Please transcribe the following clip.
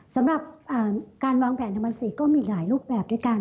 สำหรับการวางแผนทำภาษีก็มีอีกหลายรูปแบบด้วยกัน